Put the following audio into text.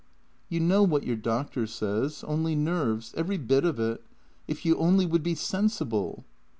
" You know what your doctor says — only nerves — every bit of it. If you only would be sensible!